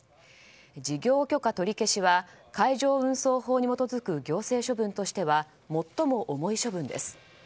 事業許可取り消しは海上運送法に基づく行政処分としては最も重い処分です。